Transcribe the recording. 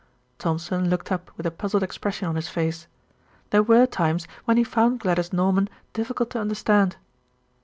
Thompson looked up with a puzzled expression on his face. There were times when he found Gladys Norman difficult to understand.